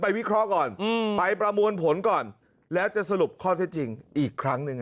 วิเคราะห์ก่อนไปประมวลผลก่อนแล้วจะสรุปข้อเท็จจริงอีกครั้งหนึ่ง